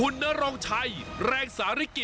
ลุ้นไก่นะค่ะ